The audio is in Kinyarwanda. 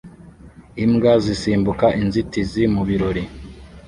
Imbwa zisimbuka inzitizi mu birori